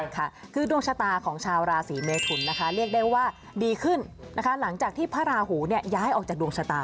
ใช่ค่ะคือดวงชะตาของชาวราศีเมทุนนะคะเรียกได้ว่าดีขึ้นนะคะหลังจากที่พระราหูย้ายออกจากดวงชะตา